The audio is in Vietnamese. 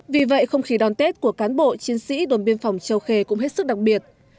vì vậy không khí đón tết của cán bộ chiến sĩ đồn biên phòng châu khê cũng hết sức đặc biệt